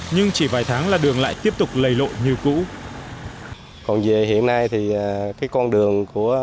nhưng chỉ vài tháng là đường lại tiếp tục lầy lộ như cũ